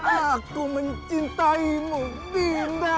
aku mencintaimu dinda